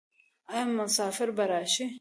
آیا مسافر به راشي؟